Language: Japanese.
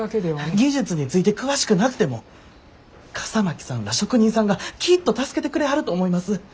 技術について詳しくなくても笠巻さんら職人さんがきっと助けてくれはると思います。